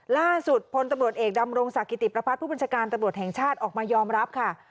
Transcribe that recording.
ล่าสุดพลตำรวจเอกดำรงศักดิติประพัฒน์ผู้บัญชาการตำรวจแห่งชาติออกมายอมรับค่ะ